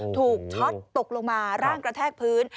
ช็อตตกลงมาร่างกระแทกพื้น